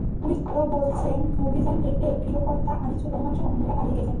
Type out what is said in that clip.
Police আরও বলছে, অভিযান টের পেয়ে গৃহকর্তা আনিসুর রহমানসহ অন্যরা পালিয়ে গেছেন।